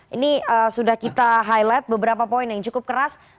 ini sudah kita highlight beberapa poin yang cukup keras